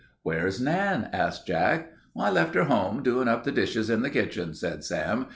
"Where's Nan?" asked Jack. "I left her home, doin' up the dishes in the kitchen," said Sam.